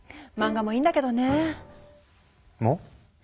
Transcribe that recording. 漫画もいいんだけどね。も？